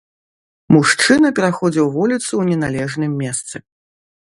Мужчына пераходзіў вуліцу ў неналежным месцы.